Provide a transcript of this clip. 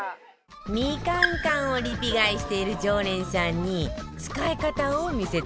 みかん缶をリピ買いしている常連さんに使い方を見せてもらったわよ